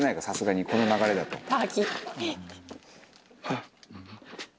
さすがにこの流れだと。